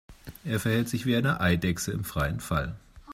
Er verhält sich wie eine Eidechse im freien Fall.